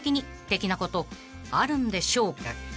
的なことあるんでしょうか？］